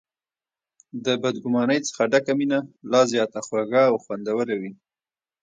د بد ګمانۍ څخه ډکه مینه لا زیاته خوږه او خوندوره وي.